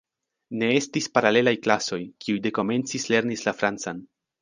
Ne estis paralelaj klasoj, kiuj dekomence lernis la francan.